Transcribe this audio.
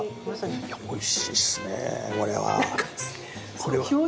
いやおいしいっすねこれは。